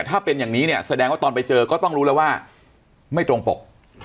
ถ้าเป็นอย่างนี้เนี่ยแสดงว่าตอนไปเจอก็ต้องรู้แล้วว่าไม่ตรงปก